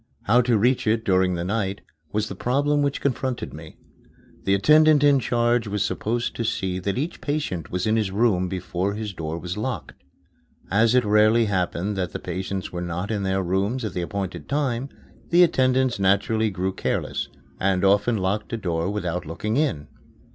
How to reach it during the night was the problem which confronted me. The attendant in charge was supposed to see that each patient was in his room before his door was locked. As it rarely happened that the patients were not in their rooms at the appointed time, the attendants naturally grew careless, and often locked a door without looking in.